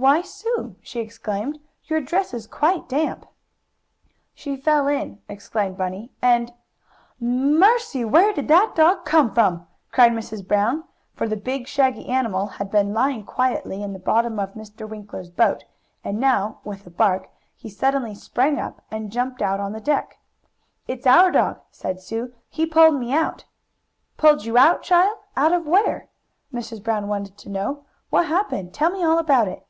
Why, Sue!" she exclaimed, "your dress is quite damp!" "She fell in," explained Bunny, "and " "Mercy! Where did that dog come from?" cried Mrs. Brown, for the big shaggy animal had been lying quietly in the bottom of Mr. Winkler's boat, and now, with a bark, he suddenly sprang up, and jumped out on the dock. "It's our dog," said Sue. "He pulled me out." "Pulled you out, child? Out of where?" Mrs. Brown wanted to know. "What happened? Tell me all about it!"